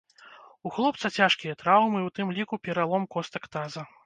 У хлопца цяжкія траўмы, у тым ліку пералом костак таза.